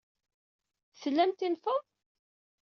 Tlamt infed?